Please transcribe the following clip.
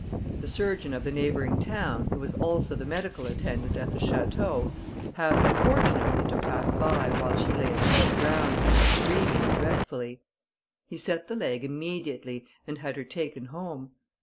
The surgeon of the neighbouring town, who was also the medical attendant at the château, happened fortunately to pass by while she lay upon the ground, screaming dreadfully. He set the leg immediately, and had her taken home.